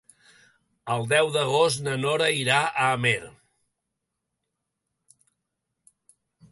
El deu d'agost na Nora irà a Amer.